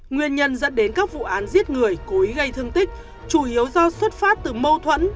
nguyên nhân dẫn đến các vụ án giết người cố ý gây thương tích chủ yếu do xuất phát từ mâu thuẫn